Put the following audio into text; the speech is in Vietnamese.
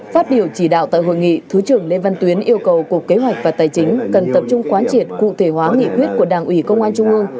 phát biểu chỉ đạo tại hội nghị thứ trưởng lê văn tuyến yêu cầu cục kế hoạch và tài chính cần tập trung quán triệt cụ thể hóa nghị quyết của đảng ủy công an trung ương